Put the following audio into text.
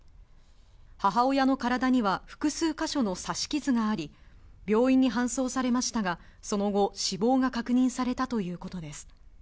母親の体には複数箇所の刺し傷があり、病院に搬送されましたが、その後、死亡が確認されたということです。